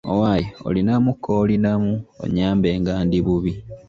Owaaye olinamu koolinamu onnyambe nga ndi bubi.